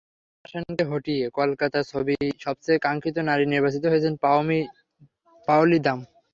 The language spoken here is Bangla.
রাইমা সেনকে হটিয়ে কলকাতার ছবির সবচেয়ে কাঙ্ক্ষিত নারী নির্বাচিত হয়েছেন পাওলি দাম।